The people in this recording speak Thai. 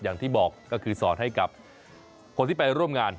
อย่างที่บอกก็คือสอนให้กับคนที่ไปร่วมงาน